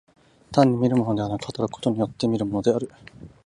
単に見るものでなく、働くことによって見るものである。